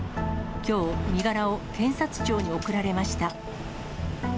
きょう、身柄を検察庁に送られました。